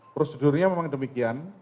prosedurnya memang demikian